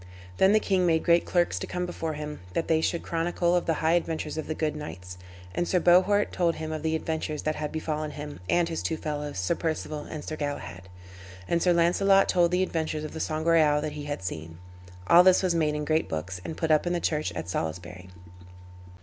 Then the king made great clerks to come before him, that they should chronicle of the high adventures of the good knights. And Sir Bohort told him of the adventures that had befallen him, and his two fellows, Sir Perceval and Sir Galahad. And Sir Launcelot told the adventures of the Sangreal that he had seen. All this was made in great books, and put up in the church at Salisbury.